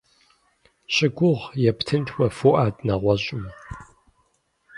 Щыгугъ, ептынт уэ Фуӏад нэгъуэщӏым.